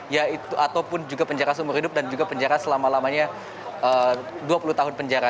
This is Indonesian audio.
yaitu ataupun juga penjara seumur hidup dan juga penjara selama lamanya dua puluh tahun penjara